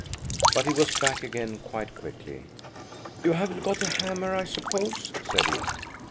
But he was back again quite quickly. "You haven't got a hammer, I suppose?" said he.